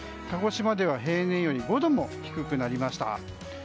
鹿児島では平年より５度も低くなりました。